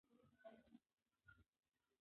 کله چې انسان لوی شي نو درس ورته سختېږي.